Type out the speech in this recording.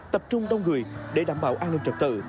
tập trung đông người để đảm bảo an ninh trật tự